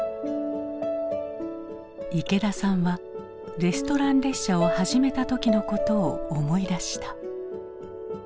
池田さんはレストラン列車を始めた時のことを思い出した。